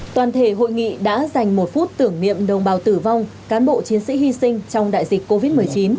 toàn thể hội nghị đã dành một phút tưởng niệm đồng bào tử vong cán bộ chiến sĩ hy sinh trong đại dịch covid một mươi chín